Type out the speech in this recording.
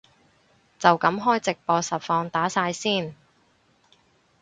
就噉開直播實況打晒先